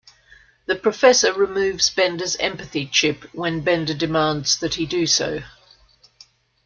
The Professor removes Bender's empathy chip when Bender demands that he do so.